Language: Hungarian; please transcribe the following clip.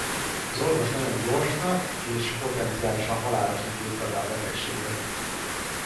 Az orvos nagyon gyorsnak és potenciálisan halálosnak írta le a betegséget.